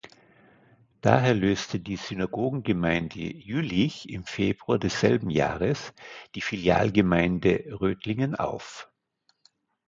Daher löste die Synagogengemeinde Jülich im Februar desselben Jahres die Filialgemeinde Rödingen auf.